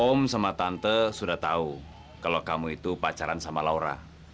om sama tante sudah tahu kalau kamu itu pacaran sama laura